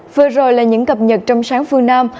vừa rồi là những cập nhật trong sáng phương nam